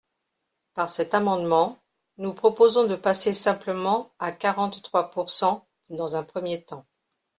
Par cet amendement, nous proposons de passer simplement à quarante-trois pourcent dans un premier temps.